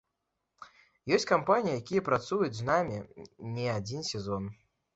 Ёсць кампаніі, якія працуюць з намі не адзін сезон.